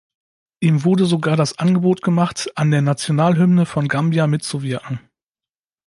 Ihm wurde sogar das Angebot gemacht, an der Nationalhymne von Gambia mitzuwirken.